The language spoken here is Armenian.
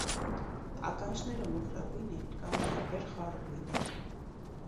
Ականջները մոխրագույն են կամ տարբեր խառը գույների։